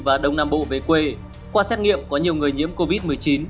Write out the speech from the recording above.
và đông nam bộ về quê qua xét nghiệm có nhiều người nhiễm covid một mươi chín